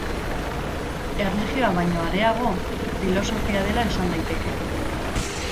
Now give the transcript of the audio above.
Erlijioa baino areago, filosofia dela esan daiteke.